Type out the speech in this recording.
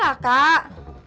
udah lah kak